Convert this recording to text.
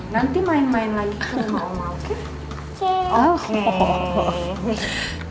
nanti main main lagi sama oma oke